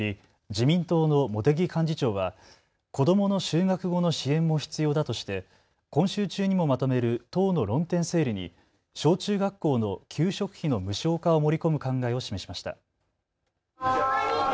自民党の茂木幹事長は子どもの就学後の支援も必要だとして今週中にもまとめる党の論点整理に小中学校の給食費の無償化を盛り込む考えを示しました。